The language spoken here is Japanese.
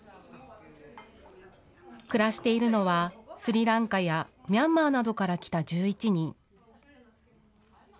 暮らしているのは、スリランカやミャンマーなどから来た１１人。